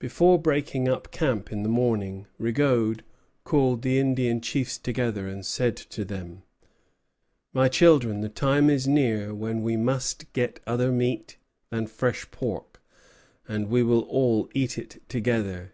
Before breaking up camp in the morning, Rigaud called the Indian chiefs together and said to them: "My children, the time is near when we must get other meat than fresh pork, and we will all eat it together."